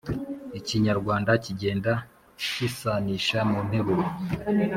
ikinyarwanda kigenda cyisanisha mu nteruro,